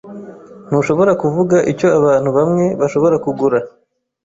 Ntushobora kuvuga icyo abantu bamwe bashobora kugura.